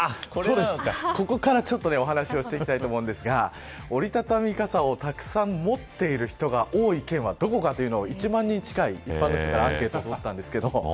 ここからちょっと話をしていきたいと思うんですが折りたたみ傘をたくさん持っている県が多いどこかというのを一般の方に１万人近い方からアンケートを取りました。